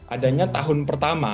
adanya tahun pertama